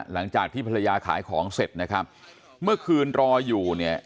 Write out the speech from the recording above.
หลังจากที่ภรรยาขายของเสร็จนะครับเมื่อคืนรออยู่เนี่ย